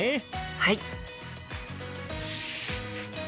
はい。